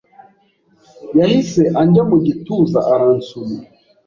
Yahise anjya mu gituza aransoma,